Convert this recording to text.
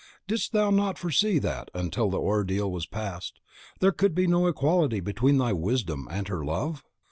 Didst thou not foresee that, until the ordeal was past, there could be no equality between thy wisdom and her love?